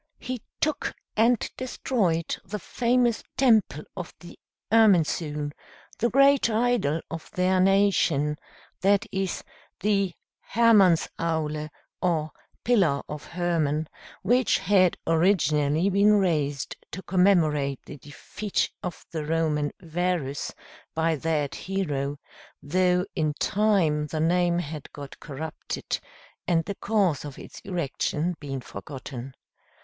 He took and destroyed the famous temple of the Irminsule, the great idol of their nation that is, the Hermansaule, or Pillar of Hermann, which had originally been raised to commemorate the defeat of the Roman Varus by that hero, though in time the name had got corrupted, and the cause of its erection been forgotten.